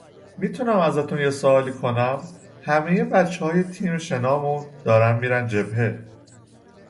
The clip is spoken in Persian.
میتونم ازتون یه سوالی کنم همهی بچههای تیم شنامون دارن میرن جبهه